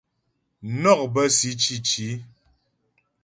Mnɔk bə́ si cǐci.